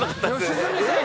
良純さん